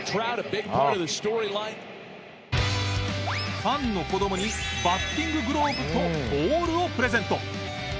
ファンの子供にバッティンググローブとボールをプレゼント。